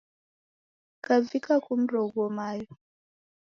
Kukavika kumroghuo mayo.